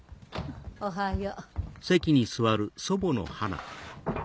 おはよう。